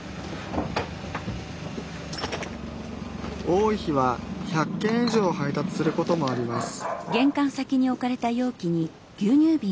多い日は１００件以上配達することもあります